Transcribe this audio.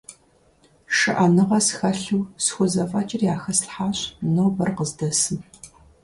ШыӀэныгъэ схэлъу схузэфӀэкӀыр яхэслъхьащ нобэр къыздэсым.